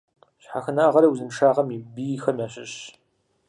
Щхьэхынагъэри узыншагъэм и бийхэм ящыщщ.